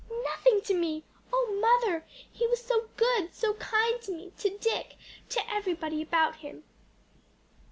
"Nothing to me! O mother! he was so good, so kind to me, to Dick, to everybody about him.